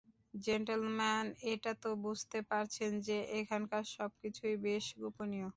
Gentleman, এটা তো বুঝতে পারছেন যে এখানকার সবকিছুই বেশ গোপনীয়?